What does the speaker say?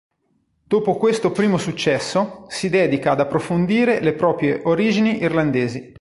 Dopo questo primo successo, si dedica ad approfondire le proprie origini irlandesi.